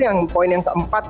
yang poin yang keempat